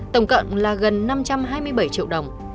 tổng cộng là gần năm trăm hai mươi bảy triệu đồng